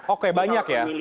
oke banyak ya